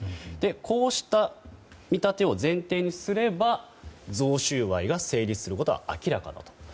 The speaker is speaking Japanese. こうした見立てを前提にすれば贈収賄が成立することは明らかだと。